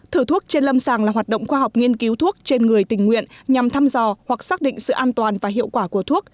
thử thuốc trên lâm sàng là hoạt động khoa học nghiên cứu thuốc trên người tình nguyện nhằm thăm dò hoặc xác định sự an toàn và hiệu quả của thuốc